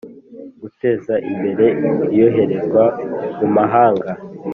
guteza imbere Iyoherezwa mu mahanga